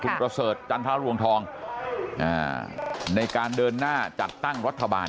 คุณประเสริฐจันทรรวงทองในการเดินหน้าจัดตั้งรัฐบาล